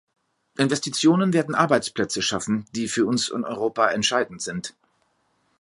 Investitionen werden Arbeitsplätze schaffen, die für uns in Europa entscheidend sind.